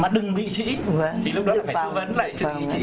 mà đừng bị trĩ